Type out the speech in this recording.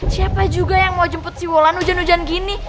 siapa juga yang mau jemput siwulan hujan hujan gini